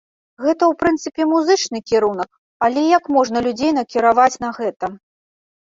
Гэта ў прынцыпе музычны кірунак, але як можна людзей накіраваць на гэта?